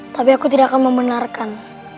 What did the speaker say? tapi aku tidak akan membenarkan